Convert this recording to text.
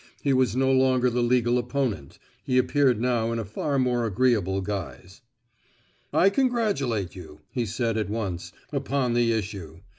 He was no longer the legal opponent; he appeared now in a far more agreeable guise. "I congratulate you," he said at once, "upon the issue.